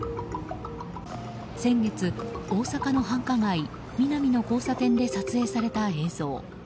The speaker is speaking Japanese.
先月、大阪の繁華街ミナミの交差点で撮影された映像。